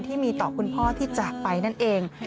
ที่มีต่อคุณพ่อที่จากไปนั่นเอง